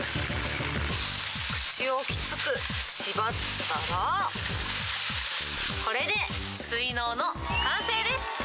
口をきつく縛ったら、これで水のうの完成です。